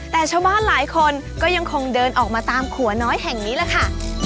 แต่ชาวบ้านหลายคนก็ยังคงเดินออกมาตามขัวน้อยแห่งนี้แหละค่ะ